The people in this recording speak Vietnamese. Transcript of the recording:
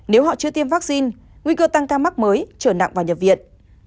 nếu họ chưa tiêm vaccine nguy cơ tăng ca mắc mới trở nặng vào nhập viện